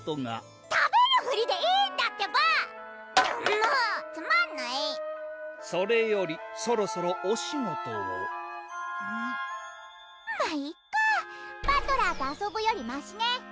もうつまんないそれよりそろそろお仕事をむっまぁいっかバトラーと遊ぶよりましね